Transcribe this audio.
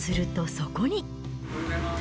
おはようございます。